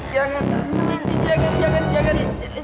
jangan jangan jangan jangan